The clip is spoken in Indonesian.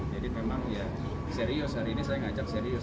jadi memang ya serius hari ini saya ngajak serius